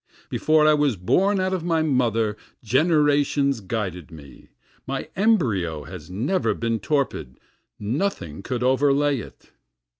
Before I was born out of my mother generations guided me, My embryo has never been torpid, nothing could overlay it.